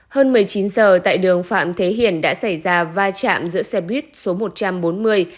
hơn một mươi chín giờ tại đường phạm thế hiển đã xảy ra va chạm giữa xe buýt số một trăm bốn mươi